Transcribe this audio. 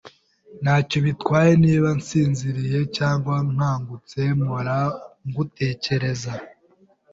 Ntacyo bitwaye niba nsinziriye cyangwa nkangutse, mpora ngutekereza.